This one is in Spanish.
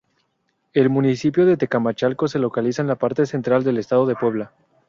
El municipio de Tecamachalco se localiza en la parte central del estado de Puebla.